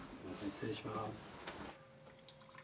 失礼します。